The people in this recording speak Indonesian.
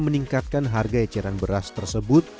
meningkatkan harga eceran beras tersebut